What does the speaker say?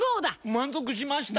満足しました！